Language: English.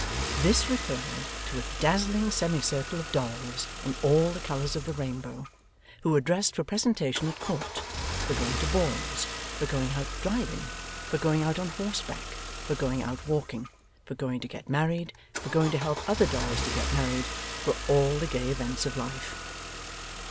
This referred to a dazzling semicircle of dolls in all the colours of the rainbow, who were dressed for presentation at court, for going to balls, for going out driving, for going out on horseback, for going out walking, for going to get married, for going to help other dolls to get married, for all the gay events of life.